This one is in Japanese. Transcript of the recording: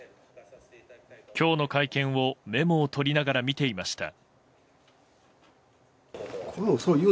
今日の会見をメモを取りながら見ていました。